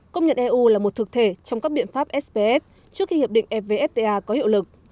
công nhận eu là một thực thể trong các biện pháp sps trước khi hiệp định evfta có hiệu lực